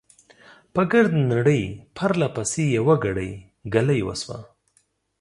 په ګرده نړۍ، پرله پسې، يوه ګړۍ، ګلۍ وشوه .